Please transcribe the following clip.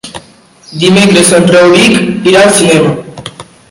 Dimecres en Rauric irà al cinema.